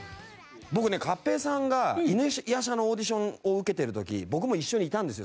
僕ね勝平さんが『犬夜叉』のオーディションを受けてる時僕も一緒にいたんですよ